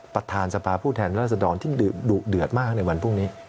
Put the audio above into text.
ประธานสภาผู้แทนรัศดรซึ่งดุเดือดมากในวันพรุ่งนี้